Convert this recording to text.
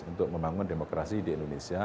untuk membangun demokrasi di indonesia